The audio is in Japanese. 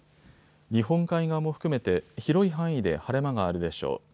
日本海側も含めて広い範囲で晴れ間があるでしょう。